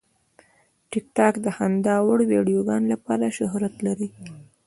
ټیکټاک د خندا وړ ویډیوګانو لپاره شهرت لري.